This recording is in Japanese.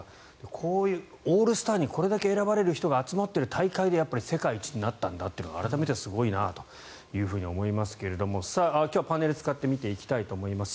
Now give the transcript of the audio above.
こういう、オールスターにこれだけ選ばれる人が集まっている大会で世界一になったんだというのは改めてすごいなと思いますが今日はパネルを使って見ていきたいと思います。